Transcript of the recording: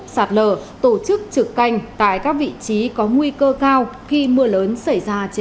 sạt lở tổ chức trực canh tại các vị trí có nguy cơ cao khi mưa lớn xảy ra trên địa bàn